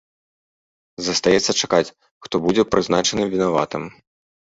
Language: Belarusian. Застаецца чакаць, хто будзе прызначаны вінаватым.